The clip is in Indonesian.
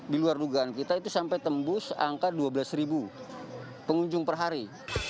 di luar dugaan kita itu sampai tembus angka dua belas pengunjung per hari